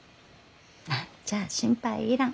何ちゃあ心配いらん。